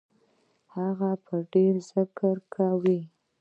هغه ﷺ به ډېر ذکر کاوه.